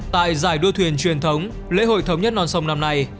tại giải đua thuyền truyền thống lễ hội thống nhất non sông năm nay